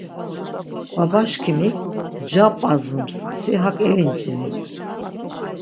Baba şǩimik nca p̌azums. Si hak elinciri.